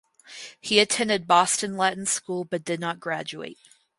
He attended Boston Latin School but did not graduate.